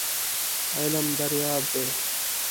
علم دریاب دی .